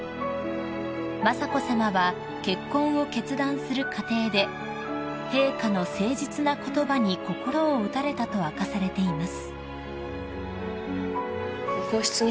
［雅子さまは結婚を決断する過程で陛下の誠実な言葉に心を打たれたと明かされています］